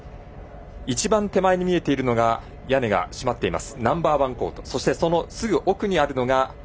一番手前に見えているのが屋根が閉まっています。